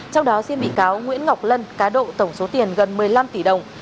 trong đó xin bị cáo nguyễn ngọc lân cá độ tổng số tiền gần một mươi năm tỷ đồng